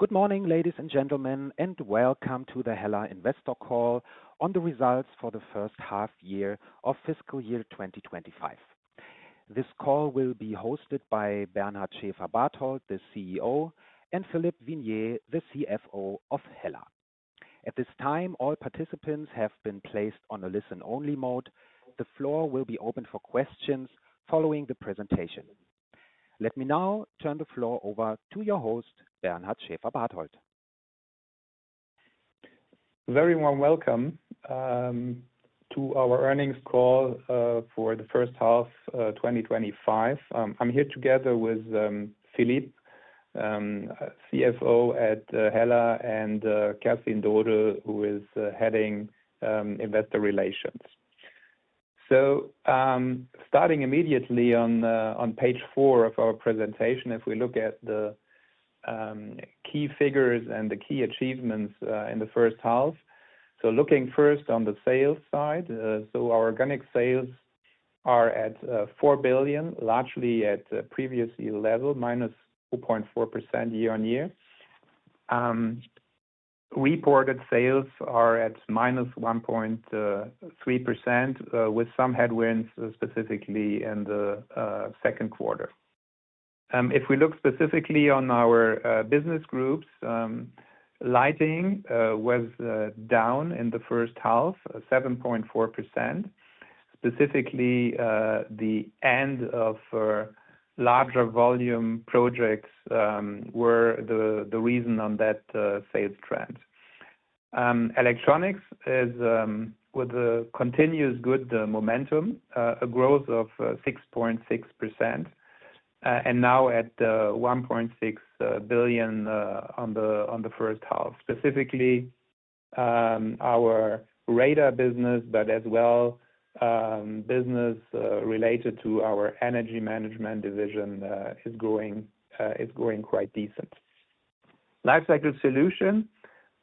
Good morning, ladies and gentlemen, and welcome to the HELLA Investor Call on the results for the first half year of fiscal year 2025. This call will be hosted by Bernard Schäferbarthold, the CEO, and Philippe Vienney, the CFO of HELLA. At this time, all participants have been placed on a listen-only mode. The floor will be open for questions following the presentation. Let me now turn the floor over to your host, Bernard Schäferbarthold. Very warm welcome to our earnings call for the first half 2025. I'm here together with Philippe, CFO at HELLA, and Kerstin Dodel, who is heading investor relations. Starting immediately on page four of our presentation, if we look at the key figures and the key achievements in the first half. Looking first on the sales side, our organic sales are at 4 billion, largely at previous year level, minus 2.4% year on year. Reported sales are at −1.3%, with some headwinds specifically in the second quarter. If we look specifically on our business groups, lighting was down in the first half, 7.4%. Specifically, the end of larger volume projects were the reason on that sales trend. Electronics is with a continuous good momentum, a growth of 6.6%, and now at 1.6 billion on the first half. Specifically, our radar business, but as well business related to our energy management division, is growing quite decent. Life cycle solution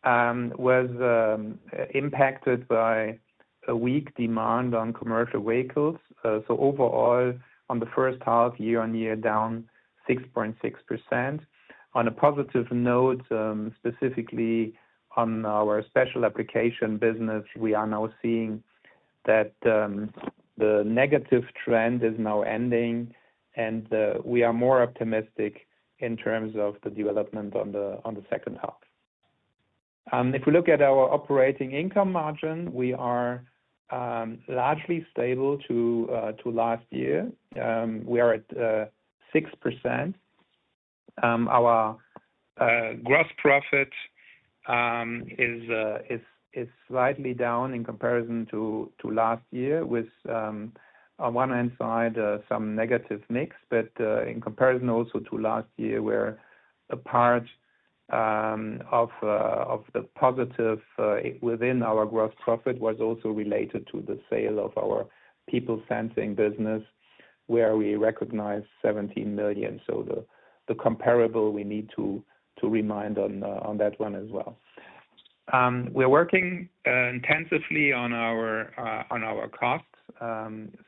was impacted by weak demand on commercial vehicles. Overall, on the first half, year on year, down 6.6%. On a positive note, specifically on our special application business, we are now seeing that the negative trend is now ending, and we are more optimistic in terms of the development on the second half. If we look at our operating income margin, we are largely stable to last year. We are at 6%. Our gross profit is slightly down in comparison to last year, with, on one hand side, some negative mix, but in comparison also to last year, where a part of the positive within our gross profit was also related to the sale of our people sensing business, where we recognize 17 million. The comparable, we need to remind on that one as well. We're working intensively on our costs.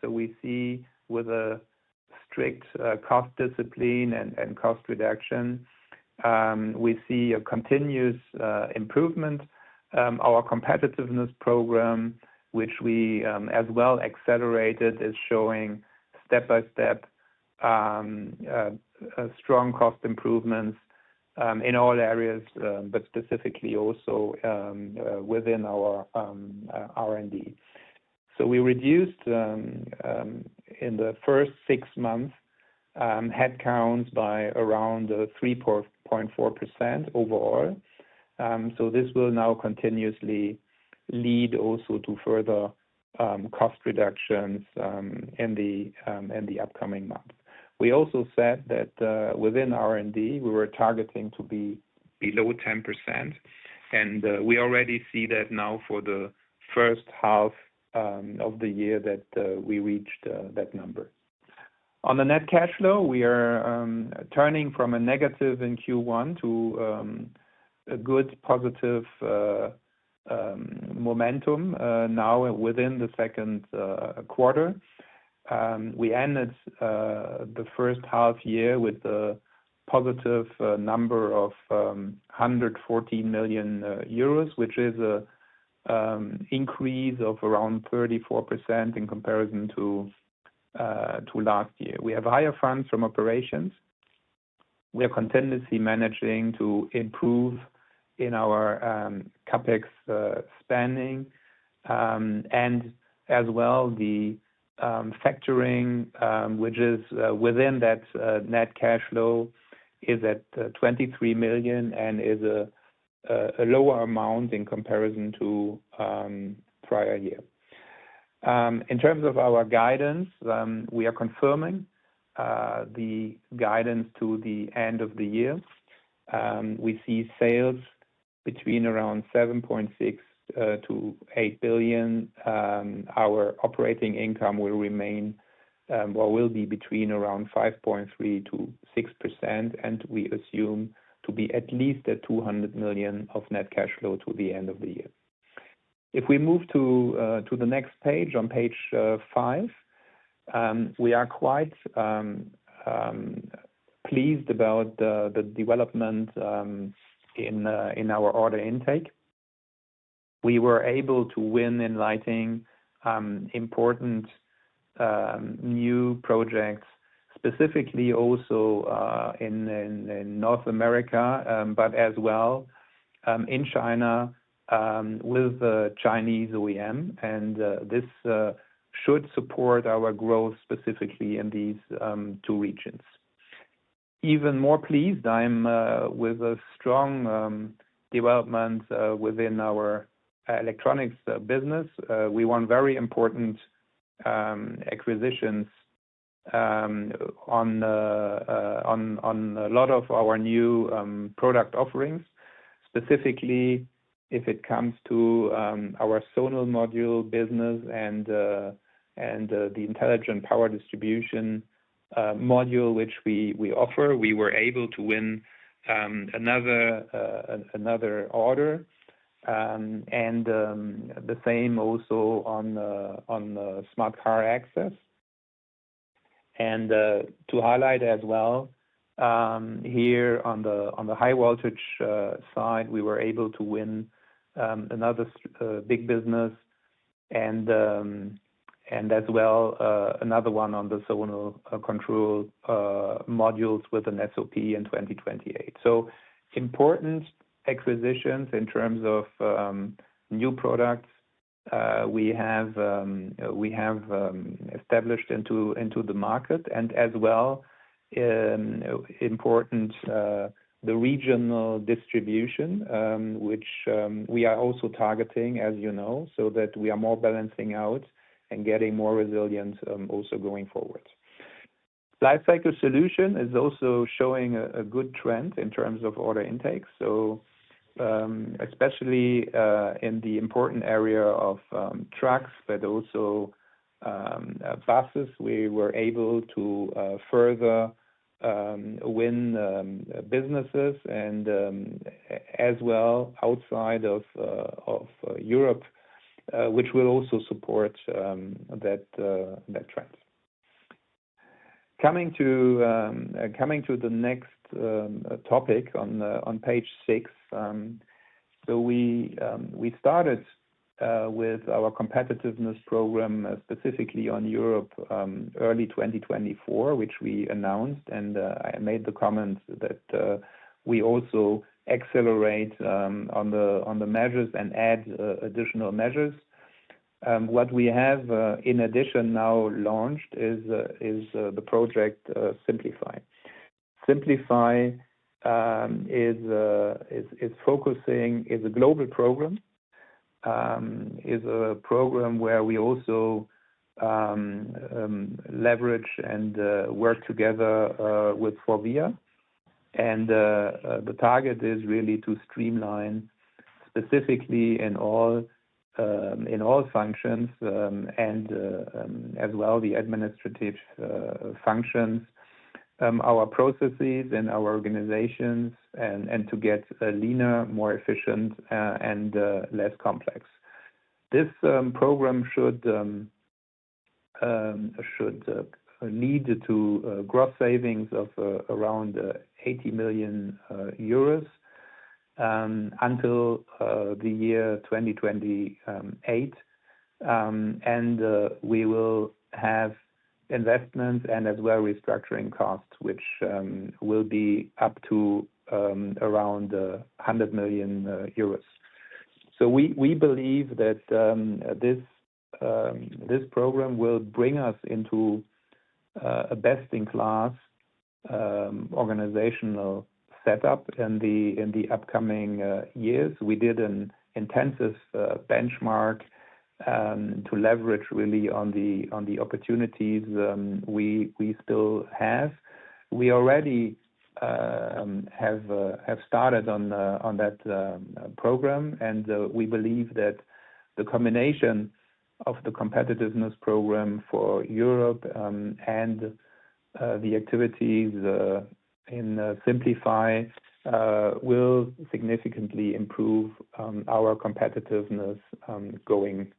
We see, with a strict cost discipline and cost reduction, a continuous improvement. Our competitiveness program, which we as well accelerated, is showing step-by-step strong cost improvements in all areas, but specifically also within our R&D. We reduced in the first six months headcounts by around 3.4% overall. This will now continuously lead also to further cost reductions in the upcoming months. We also said that within R&D, we were targeting to be below 10%, and we already see that now for the first half of the year that we reached that number. On the net cash flow, we are turning from a negative in Q1 to a good positive momentum now within the second quarter. We ended the first half year with a positive number of 114 million euros, which is an increase of around 34% in comparison to last year. We have higher funds from operations. We are contingency managing to improve in our CapEx spending, and as well, the factoring, which is within that net cash flow, is at 23 million and is a lower amount in comparison to prior year. In terms of our guidance, we are confirming the guidance to the end of the year. We see sales between around 7.6 billion-8 billion. Our operating income will remain or will be between around 5.3%-6%, and we assume to be at least at 200 million of net cash flow to the end of the year. If we move to the next page, on page five, we are quite pleased about the development in our order intake. We were able to win in lighting important new projects, specifically also in North America, but as well in China with the Chinese OEM, and this should support our growth specifically in these two regions. Even more pleased, I am with a strong development within our electronics business. We won very important acquisitions on a lot of our new product offerings, specifically if it comes to our sonar module business and the Intelligent Power Distribution Module which we offer. We were able to win another order, and the same also on Smart Car Access. To highlight as well, here on the high voltage side, we were able to win another big business and as well another one on the sonar control modules with an SOP in 2028. Important acquisitions in terms of new products we have established into the market, and as well important the regional distribution, which we are also targeting, as you know, so that we are more balancing out and getting more resilience also going forward. Life cycle solution is also showing a good trend in terms of order intake. Especially in the important area of trucks, but also buses, we were able to further win businesses and as well outside of Europe, which will also support that trend. Coming to the next topic on page six, we started with our competitiveness program specifically on Europe early 2024, which we announced, and I made the comment that we also accelerate on the measures and add additional measures. What we have, in addition, now launched is the project Simplify. Simplify is a global program. It is a program where we also leverage and work together with FORVIA, and the target is really to streamline specifically in all functions and as well the administrative functions, our processes and our organizations, and to get leaner, more efficient, and less complex. This program should lead to gross savings of around 80 million euros until the year 2028, and we will have investments and as well restructuring costs, which will be up to around 100 million euros. We believe that this program will bring us into a best-in-class organizational setup in the upcoming years. We did an intensive benchmark to leverage really on the opportunities we still have. We already have started on that program, and we believe that the combination of the competitiveness program for Europe and the activities in Simplify will significantly improve our competitiveness going forward.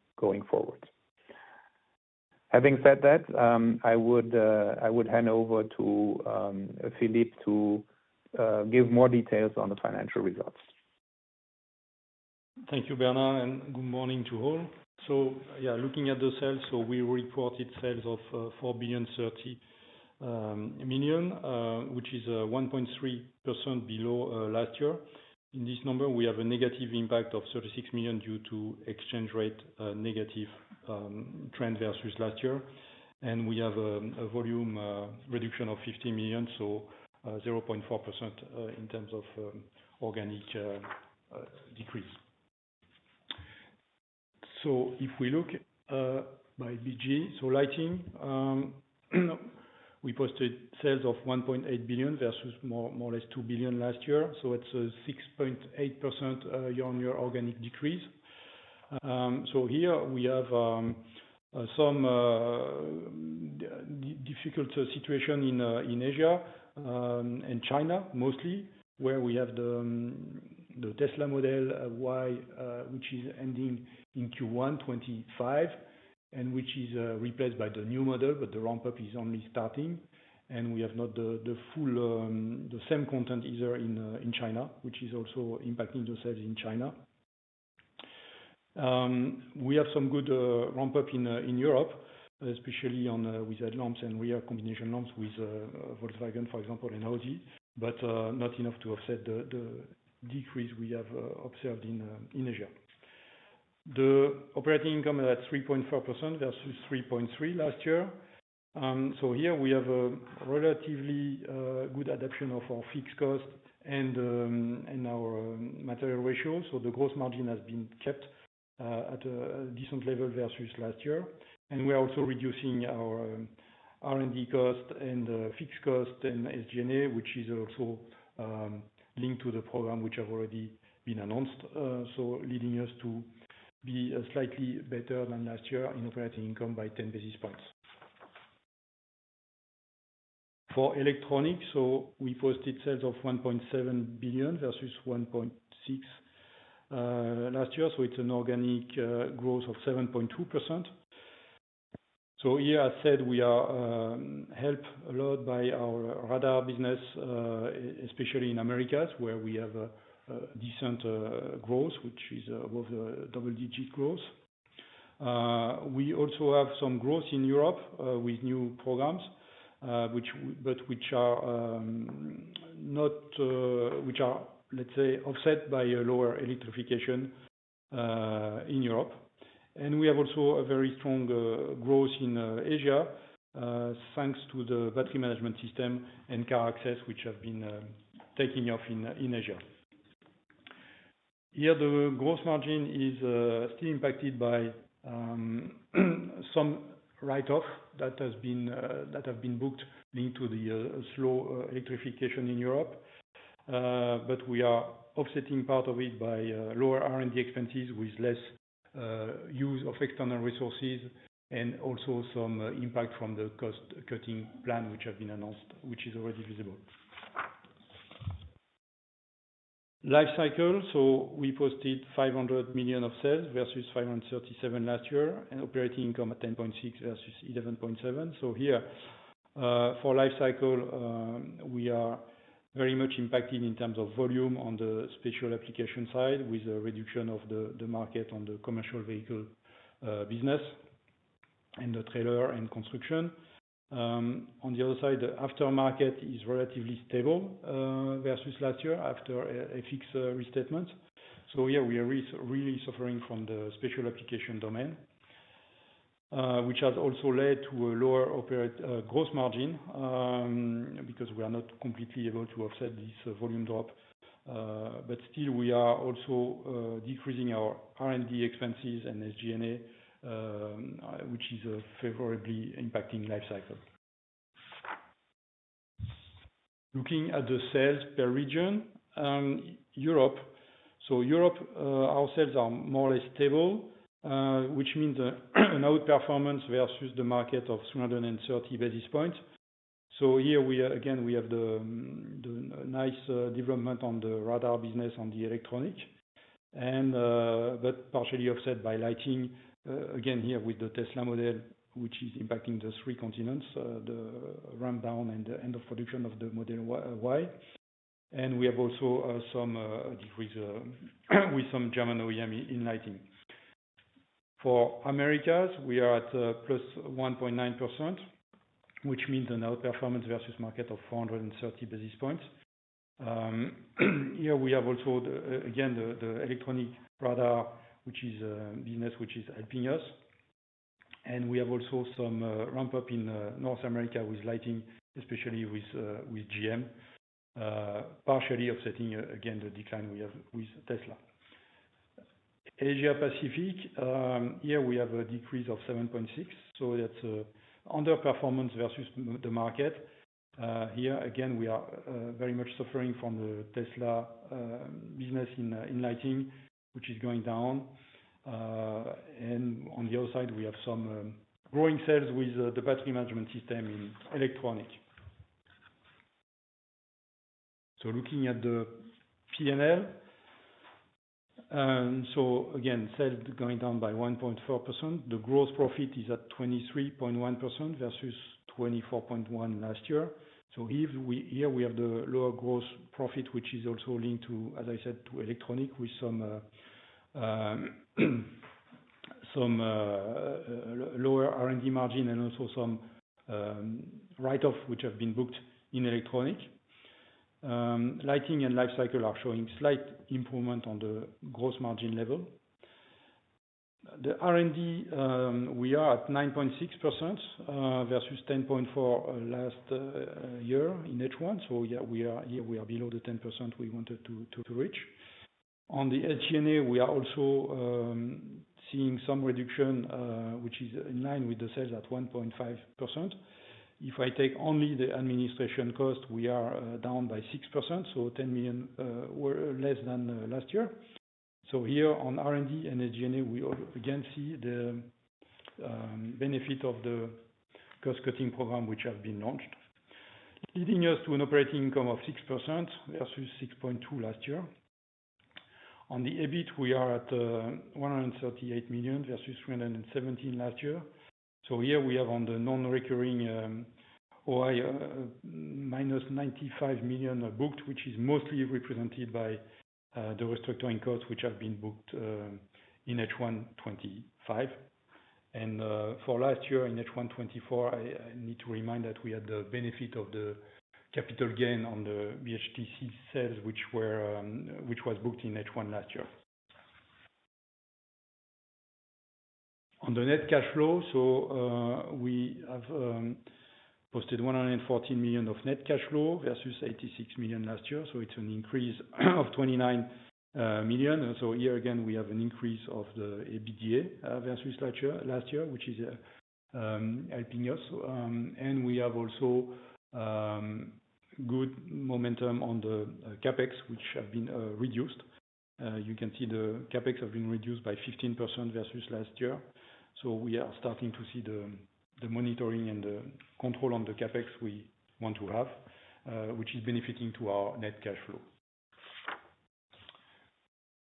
Having said that, I would hand over to Philippe to. Give more details on the financial results. Thank you, Bernard. Good morning to all. Yeah, looking at the sales, we reported sales of 4.030 billion, which is 1.3% below last year. In this number, we have a negative impact of 36 million due to exchange rate negative trend versus last year. We have a volume reduction of 15 million, so 0.4% in terms of organic decrease. If we look by BG, lighting, we posted sales of 1.8 billion versus more or less 2 billion last year. It is a 6.8% year-on-year organic decrease. Here we have some difficult situation in Asia, and China mostly, where we have the Tesla Model Y, which is ending in Q1 2025 and which is replaced by the new model, but the ramp-up is only starting. We have not the same content either in China, which is also impacting the sales in China. We have some good ramp-up in Europe, especially with headlamps and rear combination lamps with Volkswagen, for example, and Audi, but not enough to offset the decrease we have observed in Asia. The operating income is at 3.4% versus 3.3% last year. Here we have a relatively good adoption of our fixed cost and our material ratio. The gross margin has been kept at a decent level versus last year. We are also reducing our R&D cost and fixed cost and SG&A, which is also linked to the program which have already been announced, leading us to be slightly better than last year in operating income by 10 basis points. For electronics, we posted sales of 1.7 billion versus 1.6 billion last year. It is an organic growth of 7.2%. Here, as said, we are helped a lot by our radar business, especially in Americas, where we have a decent growth, which is above the double-digit growth. We also have some growth in Europe with new programs, but which are, let's say, offset by lower electrification in Europe. We have also a very strong growth in Asia thanks to the battery management system and car access, which have been taking off in Asia. Here, the gross margin is still impacted by some write-offs that have been booked linked to the slow electrification in Europe, but we are offsetting part of it by lower R&D expenses with less use of external resources and also some impact from the cost-cutting plan, which has been announced, which is already visible. Life cycle, we posted 500 million of sales versus 537 million last year and operating income at 10.6% versus 11.7%. Here, for life cycle, we are very much impacted in terms of volume on the special application side with a reduction of the market on the commercial vehicle business and the trailer and construction. On the other side, the aftermarket is relatively stable versus last year after a fixed restatement. Yeah, we are really suffering from the special application domain. Which has also led to a lower gross margin. Because we are not completely able to offset this volume drop. But still, we are also decreasing our R&D expenses and SG&A, which is favorably impacting life cycle. Looking at the sales per region. Europe, so Europe, our sales are more or less stable, which means an outperformance versus the market of 330 basis points. Here, again, we have the nice development on the radar business on the electronic, but partially offset by lighting, again, here with the Tesla Model, which is impacting the three continents, the ramp-down and the end of production of the Model Y. We have also some decrease with some German OEM in lighting. For Americas, we are at +1.9%, which means an outperformance versus market of 430 basis points. Here, we have also, again, the electronic radar, which is a business which is helping us. We have also some ramp-up in North America with lighting, especially with General Motors, partially offsetting, again, the decline we have with Tesla. Asia-Pacific, here we have a decrease of 7.6%. That is underperformance versus the market. Here, again, we are very much suffering from the Tesla business in lighting, which is going down. On the other side, we have some growing sales with the Battery Management System in electronic. Looking at the P&L, again, sales going down by 1.4%. The gross profit is at 23.1% versus 24.1% last year. Here we have the lower gross profit, which is also linked to, as I said, to electronic with some lower R&D margin and also some write-offs which have been booked in electronic. Lighting and life cycle are showing slight improvement on the gross margin level. The R&D, we are at 9.6% versus 10.4% last year in H1. We are below the 10% we wanted to reach. On the SG&A, we are also seeing some reduction, which is in line with the sales at 1.5%. If I take only the administration cost, we are down by 6%, so 10 million less than last year. Here on R&D and SG&A, we again see the benefit of the gross cutting program which has been launched, leading us to an operating income of 6% versus 6.2% last year. On the EBIT, we are at 138 million versus 317 million last year. Here we have on the non-recurring OI, minus 95 million booked, which is mostly represented by the restructuring costs which have been booked in H1 2025. For last year in H1 2024, I need to remind that we had the benefit of the capital gain on the BHTC sales, which was booked in H1 last year. On the net cash flow, we have posted 114 million of net cash flow versus 86 million last year. It is an increase of 29 million. Here again, we have an increase of the EBITDA versus last year, which is helping us. We have also good momentum on the CapEx, which have been reduced. You can see the CapEx has been reduced by 15% versus last year. We are starting to see the monitoring and the control on the CapEx we want to have, which is benefiting to our net cash flow.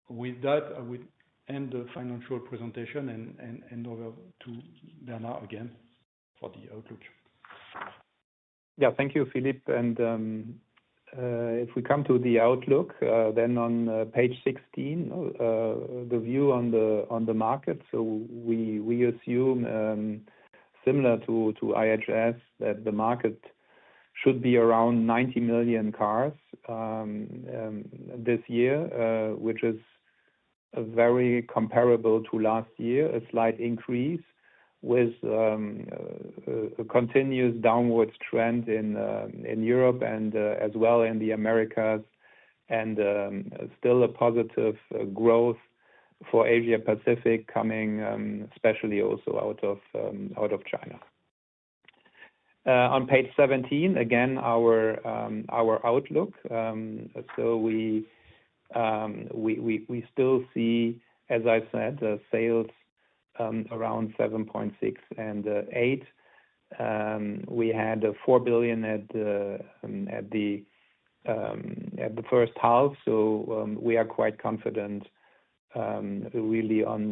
With that, I would end the financial presentation and hand over to Bernard again for the outlook. Yeah, thank you, Philippe. If we come to the outlook, then on page 16. The view on the market. We assume, similar to IHS, that the market should be around 90 million cars this year, which is very comparable to last year, a slight increase with a continuous downward trend in Europe and as well in the Americas, and still a positive growth for Asia-Pacific coming, especially also out of China. On page 17, again, our outlook. We still see, as I said, sales around 7.6 billion and 8 billion. We had 4 billion at the first half. We are quite confident really on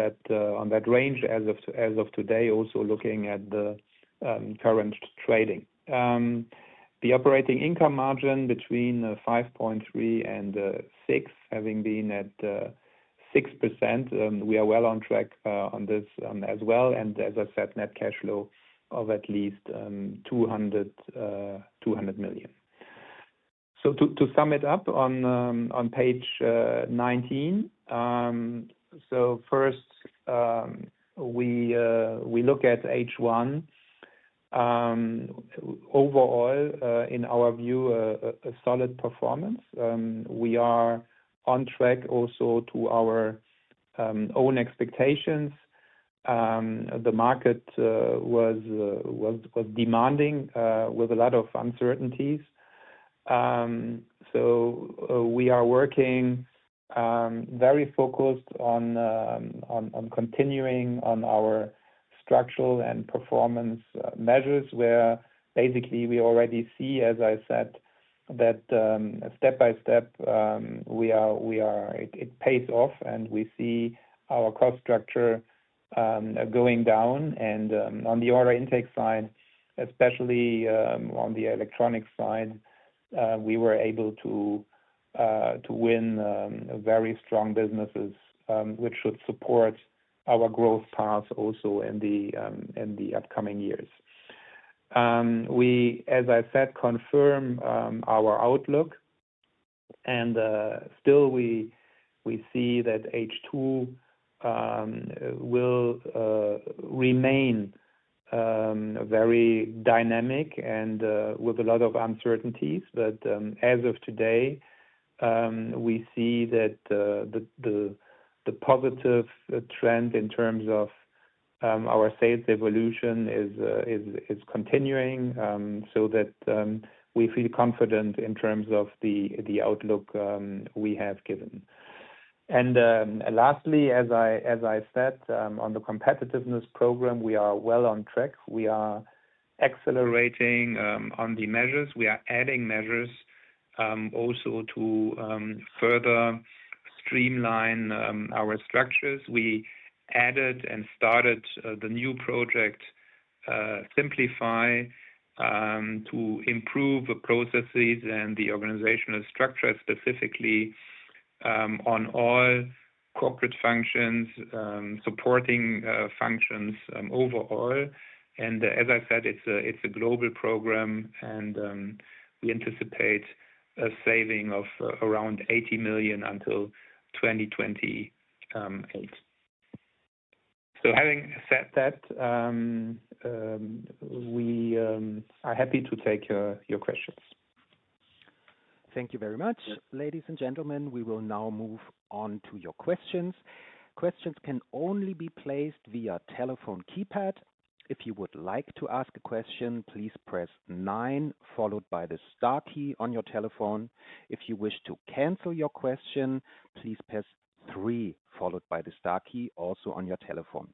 that range as of today, also looking at the current trading. The operating income margin between 5.3% and 6%, having been at 6%, we are well on track on this as well. As I said, net cash flow of at least 200 million. To sum it up on page 19. First, we look at H1. Overall, in our view, a solid performance. We are on track also to our own expectations. The market was demanding with a lot of uncertainties. We are working very focused on continuing on our structural and performance measures, where basically we already see, as I said, that step by step, it pays off, and we see our cost structure going down. On the order intake side, especially on the electronic side, we were able to win very strong businesses, which should support our growth path also in the upcoming years. We, as I said, confirm our outlook. Still, we see that H2 will remain very dynamic and with a lot of uncertainties. As of today, we see that the positive trend in terms of our sales evolution is continuing, so that we feel confident in terms of the outlook we have given. Lastly, as I said, on the competitiveness program, we are well on track. We are accelerating on the measures. We are adding measures also to further streamline our structures. We added and started the new project Simplify to improve the processes and the organizational structure specifically on all corporate functions, supporting functions overall. As I said, it is a global program, and we anticipate a saving of around 80 million until 2028. Having said that, we are happy to take your questions. Thank you very much. Ladies and gentlemen, we will now move on to your questions. Questions can only be placed via telephone keypad. If you would like to ask a question, please press nine, followed by the star key on your telephone. If you wish to cancel your question, please press three, followed by the star key, also on your telephone.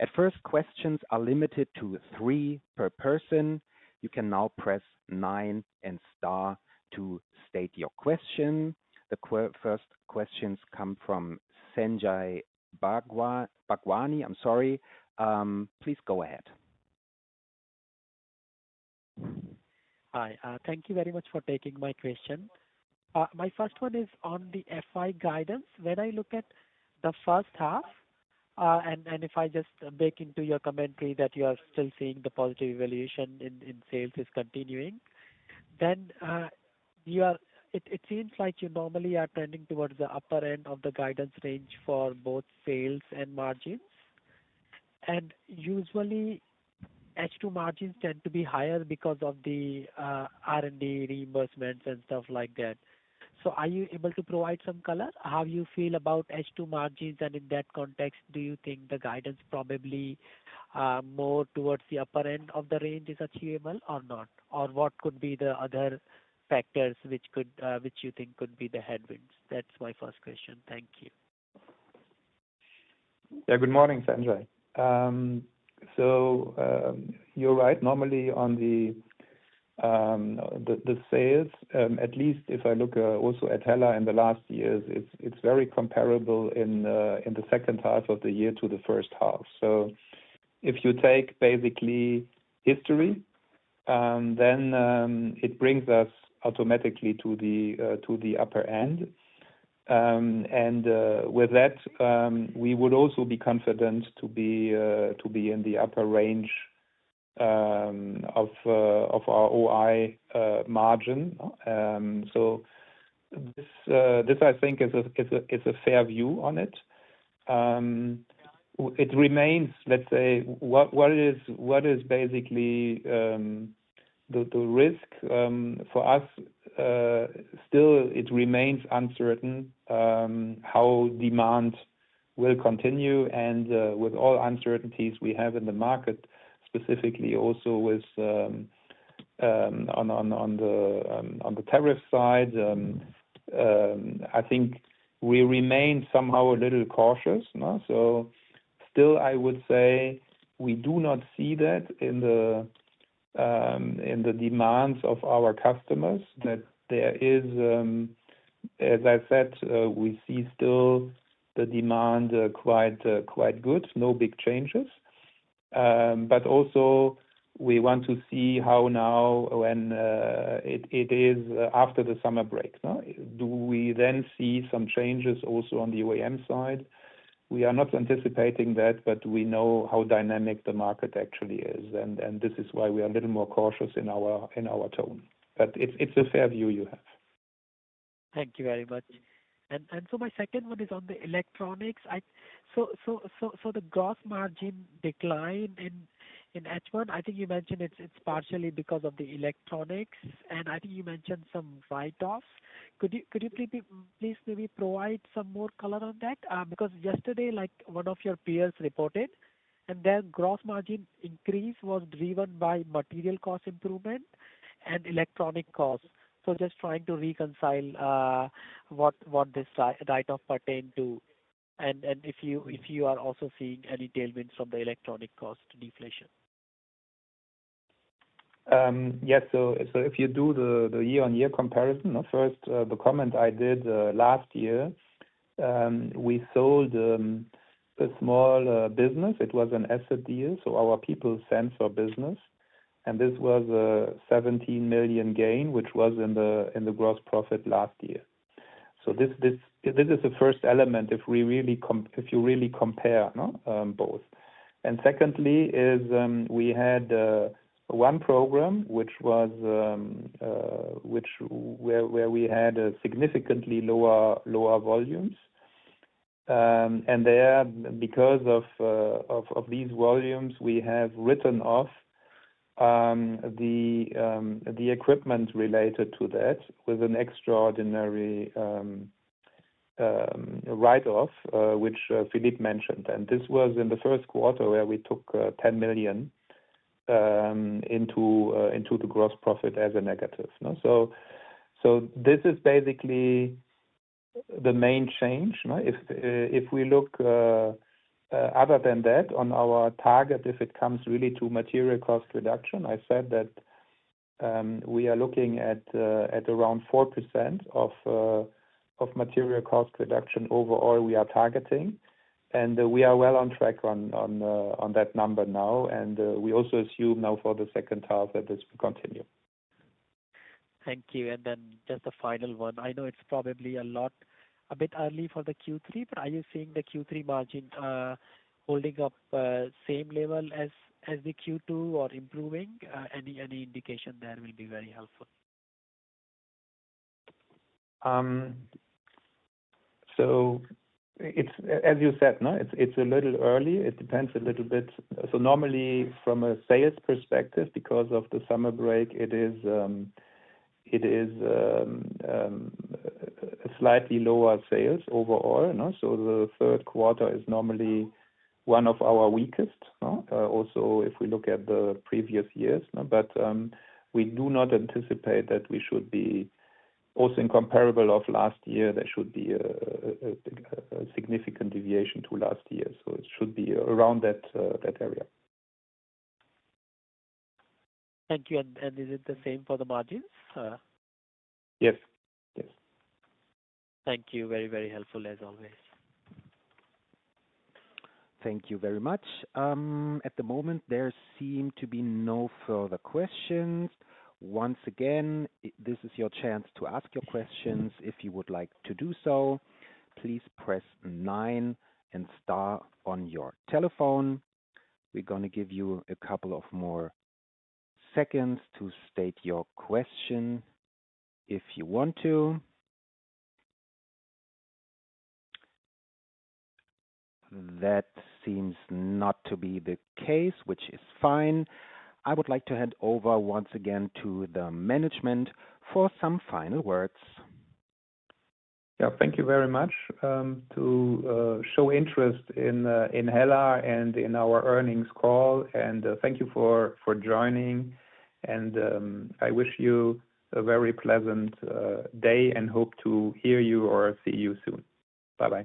At first, questions are limited to three per person. You can now press nine and star to state your question. The first questions come from Sanjay Bagwani. I'm sorry. Please go ahead. Hi. Thank you very much for taking my question. My first one is on the FI guidance. When I look at the first half, and if I just bake into your commentary that you are still seeing the positive evolution in sales is continuing, then it seems like you normally are trending towards the upper end of the guidance range for both sales and margins. Usually, H2 margins tend to be higher because of the R&D reimbursements and stuff like that. Are you able to provide some color? How do you feel about H2 margins? In that context, do you think the guidance probably more towards the upper end of the range is achievable or not? What could be the other factors which you think could be the headwinds? That's my first question. Thank you. Yeah. Good morning, Sanjay. You're right. Normally, on the sales, at least if I look also at HELLA in the last years, it's very comparable in the second half of the year to the first half. If you take basically history, then it brings us automatically to the upper end. With that, we would also be confident to be in the upper range of our OI margin. This, I think, is a fair view on it. It remains, let's say, what is basically the risk for us. Still, it remains uncertain how demand will continue. With all uncertainties we have in the market, specifically also on the tariff side, I think we remain somehow a little cautious. Still, I would say we do not see that in the demands of our customers, that there is—as I said, we see still the demand quite good, no big changes. Also, we want to see how now when it is after the summer break, do we then see some changes also on the OEM side? We are not anticipating that, but we know how dynamic the market actually is. This is why we are a little more cautious in our tone. It's a fair view you have. Thank you very much. My second one is on the electronics. The gross margin decline in H1, I think you mentioned it's partially because of the electronics. I think you mentioned some write-offs. Could you please maybe provide some more color on that? Yesterday, one of your peers reported, and their gross margin increase was driven by material cost improvement and electronic costs. Just trying to reconcile what this write-off pertained to and if you are also seeing any tailwinds from the electronic cost deflation. Yeah. If you do the year-on-year comparison, first, the comment I did last year, we sold a small business. It was an asset deal. Our people sent our business. This was a 17 million gain, which was in the gross profit last year. This is the first element if you really compare both. Secondly, we had one program, which was where we had significantly lower volumes. Because of these volumes, we have written off the equipment related to that with an extraordinary write-off, which Philippe mentioned. This was in the first quarter where we took 10 million into the gross profit as a negative. This is basically the main change. If we look, other than that, on our target, if it comes really to material cost reduction, I said that we are looking at around 4% of material cost reduction overall we are targeting. We are well on track on that number now. We also assume now for the second half that this will continue. Thank you. And then just a final one. I know it's probably a bit early for the Q3, but are you seeing the Q3 margin holding up same level as the Q2 or improving? Any indication there will be very helpful. As you said, it's a little early. It depends a little bit. Normally, from a sales perspective, because of the summer break, it is slightly lower sales overall. The third quarter is normally one of our weakest, also if we look at the previous years. We do not anticipate that we should be, also in comparable of last year, there should be a significant deviation to last year. It should be around that area. Thank you. Is it the same for the margins? Yes. Yes. Thank you. Very, very helpful, as always. Thank you very much. At the moment, there seem to be no further questions. Once again, this is your chance to ask your questions if you would like to do so. Please press nine and star on your telephone. We're going to give you a couple more seconds to state your question if you want to. That seems not to be the case, which is fine. I would like to hand over once again to the management for some final words. Yeah. Thank you very much to show interest in HELLA and in our earnings call. Thank you for joining. I wish you a very pleasant day and hope to hear you or see you soon. Bye-bye.